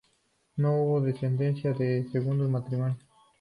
No hubo descendencia de su segundo matrimonio.